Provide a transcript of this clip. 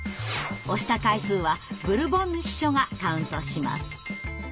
押した回数はブルボンヌ秘書がカウントします。